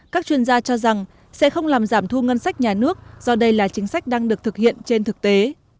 các chuyên gia cho rằng sẽ không làm giảm thu ngân sách nhà nước do đây là chính sách đang được thực hiện trên thực tế